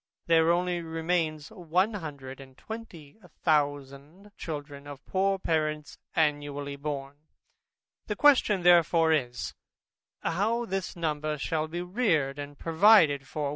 There only remain a hundred and twenty thousand children of poor parents annually born. The question therefore is, How this number shall be reared and provided for?